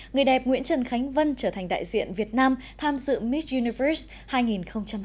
người đẹp nguyễn trần khánh vân trở thành đại diện việt nam tham dự miss univers hai nghìn hai mươi